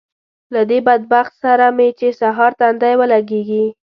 له دې بدبخت سره مې چې سهار تندی ولګېږي